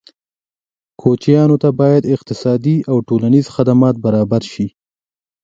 کوچیانو ته باید اقتصادي او ټولنیز خدمات برابر شي.